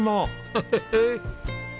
ヘヘヘッ。